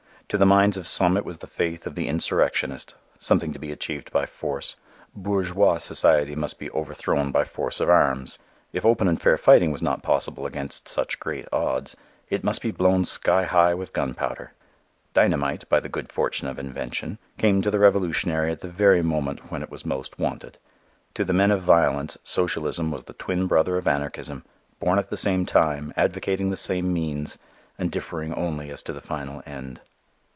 To the minds of some it was the faith of the insurrectionist, something to be achieved by force; "bourgeois" society must be overthrown by force of arms; if open and fair fighting was not possible against such great odds, it must be blown skyhigh with gunpowder. Dynamite, by the good fortune of invention, came to the revolutionary at the very moment when it was most wanted. To the men of violence, socialism was the twin brother of anarchism, born at the same time, advocating the same means and differing only as to the final end.